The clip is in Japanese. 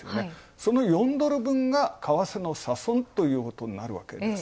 その４ドル分が、為替の差損ということになるわけです。